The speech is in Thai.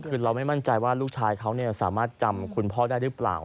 คือเราไม่มั่นใจว่าลูกชายเขาสามารถจำคุณพ่อได้หรือเปล่า